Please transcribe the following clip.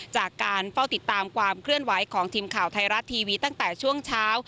จากการเฝ้าติดตามความเคลื่อนไหวของทีมข่าวไทยรัฐทีวีตั้งแต่ช่วงเช้า